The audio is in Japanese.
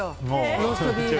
ローストビーフ。